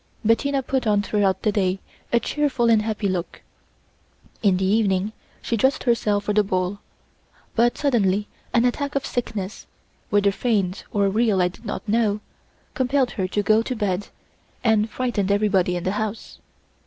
Bettina put on throughout the day a cheerful and happy look. In the evening she dressed herself for the ball; but suddenly an attack of sickness, whether feigned or real I did not know, compelled her to go to bed, and frightened everybody in the house.